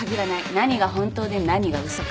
何が本当で何が嘘か。